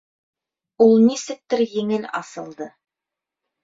Ул нисектер еңел асылды.